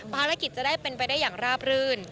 ภารกิจจะได้เป็นไปได้อย่างราบรื่น